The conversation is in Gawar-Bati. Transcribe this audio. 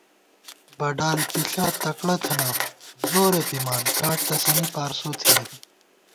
بڈال پِݪہ تکڑہ تھنہ، زورےپِمان کاٹ تسَنی پارسوتھنی